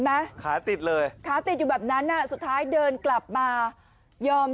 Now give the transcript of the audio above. ไหมขาติดเลยขาติดอยู่แบบนั้นอ่ะสุดท้ายเดินกลับมายอม